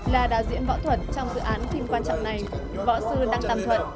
là đạo diễn võ thuật trong dự án phim quan trọng này võ sư đăng tam thuận